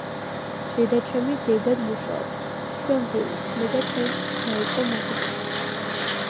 დედაჩემი დედად მუშაობს, ჩვენ გვივლის, მე და ჩემს დაიკო მაგდას.